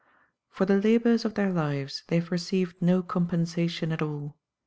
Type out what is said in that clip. For the labours of their lives they have received no compensation at all.